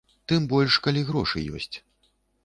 Тым больш, калі грошы ёсць.